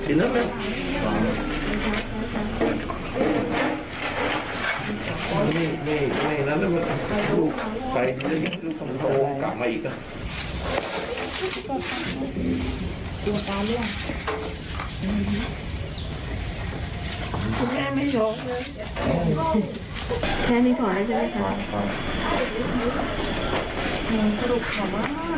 แค่นี้พอได้ใช่ไหมครับ